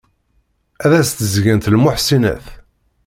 Ad as-d-zgent d lmuḥsinat.